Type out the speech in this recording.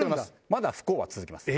まだ不幸は続きます。